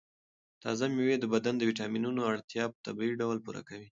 تازه مېوې د بدن د ویټامینونو اړتیا په طبیعي ډول پوره کوي.